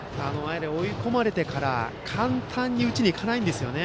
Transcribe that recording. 追い込まれてから簡単に打ちに行かないんですよね。